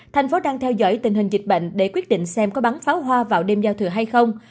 thành phố đang theo dõi tình hình dịch bệnh để quyết định xem có bắn pháo hoa vào đêm giao thừa hay không